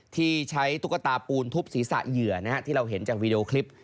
ที่ใช้ตุ๊กตาปูนทุบศีรษะเหยื่อที่เราเห็นจากวีดีโอคลิป